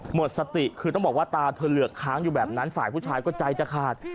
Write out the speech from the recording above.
หมดสติคือต้องบอกว่าตาเธอเหลือกค้างอยู่แบบนั้นฝ่ายผู้ชายก็ใจจะขาด